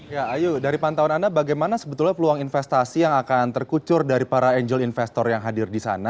ya ayu dari pantauan anda bagaimana sebetulnya peluang investasi yang akan terkucur dari para angel investor yang hadir di sana